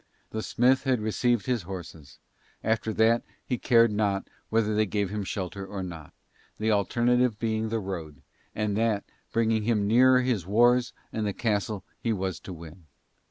The smith had received his horses; after that he cared not whether they gave him shelter or not, the alternative being the road, and that bringing nearer his wars and the castle he was to win.